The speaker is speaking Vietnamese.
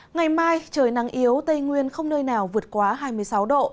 ngày mai trời nắng yếu tây nguyên không nơi nào vượt quá hai mươi sáu độ